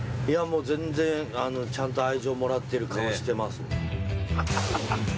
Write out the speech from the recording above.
いやもう全然ちゃんと愛情もらってる顔してますねアハハハハ。